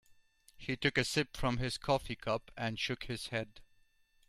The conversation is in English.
He took a sip from his coffee cup and shook his head.